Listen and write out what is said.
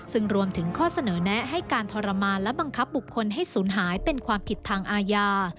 ซึ่งรวมถึงข้อเสนอแนะให้การทรมานและบังคับบุคคลให้สูญหายเป็นความผิดทางอาญา